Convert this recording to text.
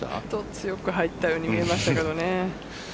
強く入ったように見えましたけどね。